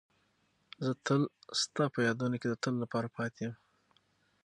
زه تل ستا په یادونو کې د تل لپاره پاتې یم.